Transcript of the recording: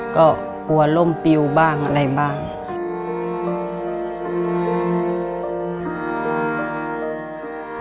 ก็กลัวล่มปิวบ้างอะไรบ้าง